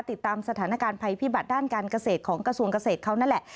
ติดตามสถานการณ์ภัยพิบัติด้านการเกษตรของกระทรวงเกษตรเขานั่นแหละ